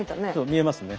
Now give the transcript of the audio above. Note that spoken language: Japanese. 見えますね。